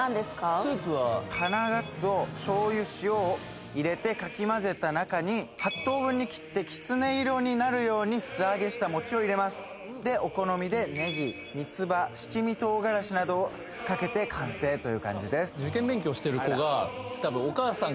スープは花がつおしょう油塩を入れてかき混ぜた中に８等分に切ってきつね色になるように素揚げした餅を入れますでお好みでネギ三つ葉七味唐辛子などをかけて完成という感じですいいねいいね